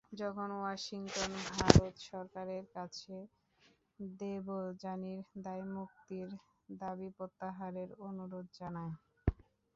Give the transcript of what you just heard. তখন ওয়াশিংটন ভারত সরকারের কাছে দেবযানীর দায়মুক্তির দাবি প্রত্যাহারের অনুরোধ জানায়।